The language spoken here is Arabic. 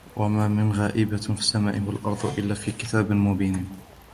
وَمَا مِنْ غَائِبَةٍ فِي السَّمَاءِ وَالْأَرْضِ إِلَّا فِي كِتَابٍ مُبِينٍ